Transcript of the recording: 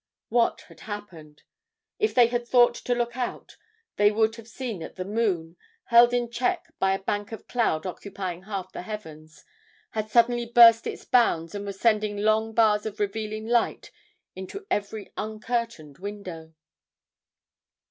What had happened? If they had thought to look out, they would have seen that the moon held in check by a bank of cloud occupying half the heavens had suddenly burst its bounds and was sending long bars of revealing light into every uncurtained window.